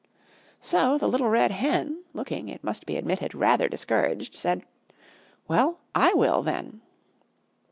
So the Little Red Hen, looking, it must be admitted, rather discouraged, said, "Well, I will, then."